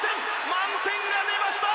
満点が出ました！